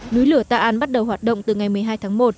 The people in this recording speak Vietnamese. núi lửa ta an bắt đầu hoạt động từ ngày một mươi hai tháng một